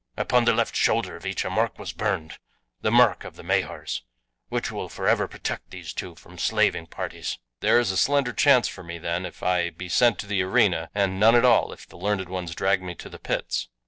Upon the left shoulder of each a mark was burned the mark of the Mahars which will forever protect these two from slaving parties." "There is a slender chance for me then if I be sent to the arena, and none at all if the learned ones drag me to the pits?"